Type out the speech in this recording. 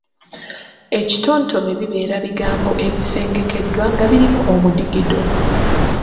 Ekitontome bibeera bigambo ebisengekeddwa nga birimu omudigido,